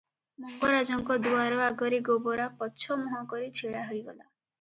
ମଙ୍ଗରାଜଙ୍କ ଦୁଆର ଆଗରେ ଗୋବରା ପଛମୁହଁ କରି ଛିଡ଼ା ହୋଇଗଲା ।